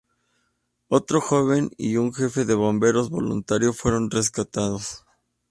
Otro joven y un jefe de bomberos voluntario fueron rescatados.